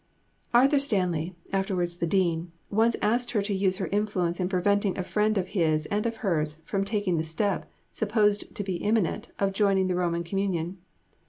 Arthur Stanley (afterwards the Dean) once asked her to use her influence in preventing a friend of his and of hers from taking the step, supposed to be imminent, of joining the Roman Communion.